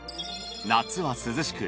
夏は涼しく